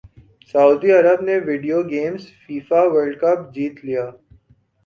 سعودی عرب نے video games FIFA world cup جیت لیا